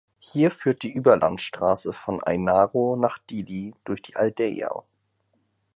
Hier führt die Überlandstraße von Ainaro nach Dili durch die Aldeia.